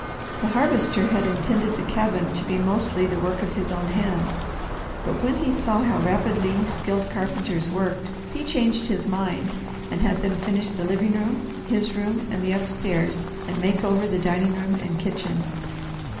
The Harvester had intended the cabin to be mostly the work of his own hands, but when he saw how rapidly skilled carpenters worked, he changed his mind and had them finish the living room, his room, and the upstairs, and make over the dining room and kitchen.